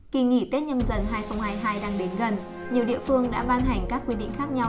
kỳ nghỉ tết nhâm dần hai nghìn hai mươi hai đang đến gần nhiều địa phương đã ban hành các quy định khác nhau